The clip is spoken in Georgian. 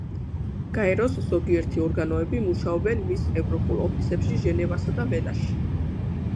გაეროს ზოგიერთი ორგანოები მუშაობენ მის ევროპულ ოფისებში ჟენევასა და ვენაში.